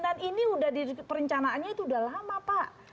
dan ini sudah diperencanaannya itu sudah lama pak